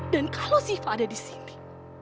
dan kalau siva ada disini